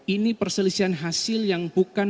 ini perselisihan hasil yang bukan